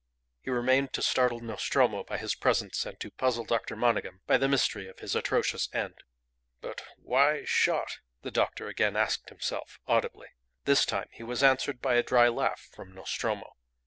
He remained to startle Nostromo by his presence, and to puzzle Dr. Monygham by the mystery of his atrocious end. "But why shot?" the doctor again asked himself, audibly. This time he was answered by a dry laugh from Nostromo.